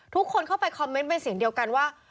ทุกคนเข้าไปคอมเมนต์เป็นเสียงเดียวกันว่า